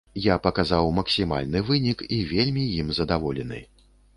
Я паказаў максімальны вынік і вельмі ім задаволены.